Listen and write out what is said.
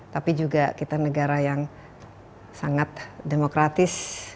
tapi juga kita negara yang sangat demokratis